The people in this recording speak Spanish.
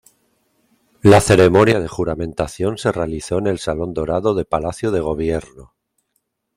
La ceremonia de juramentación se realizó en el Salón Dorado de Palacio de Gobierno.